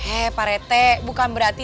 eh pak rete bukan berarti